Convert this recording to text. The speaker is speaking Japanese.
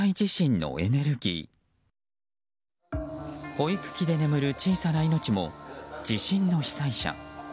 保育器で眠る小さな命も地震の被災者。